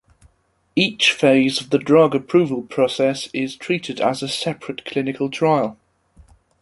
Each phase of the drug approval process is treated as a separate clinical trial.